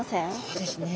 そうですね